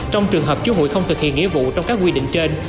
trong trường hợp chủ hùi không thực hiện nghĩa vụ trong các quy định trên